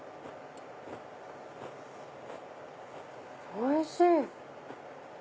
ホおいしい！